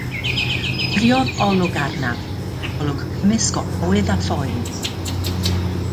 Bwriodd olwg arnaf, golwg cymysg o awydd a phoen.